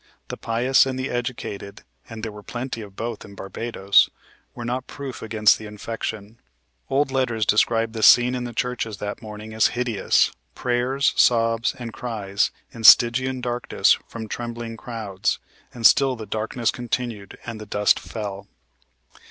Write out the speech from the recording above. The pious and the educated (and there were plenty of both in Barbados) were not proof against the infection. Old letters describe the scene in the churches that morning as hideous prayers, sobs, and cries, in Stygian darkness, from trembling crowds. And still the darkness continued and the dust fell.